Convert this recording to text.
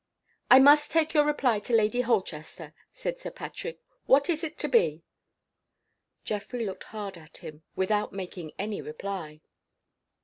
"I must take your reply to Lady Holchester," said Sir Patrick. "What is it to be?" Geoffrey looked hard at him, without making any reply.